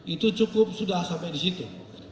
itu cukup sudah sampai di situ